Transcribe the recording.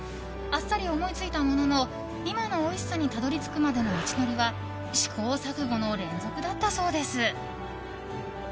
あっさり思いついたものの今のおいしさにたどり着くまでの道のりは試行錯誤の連続だったそうです。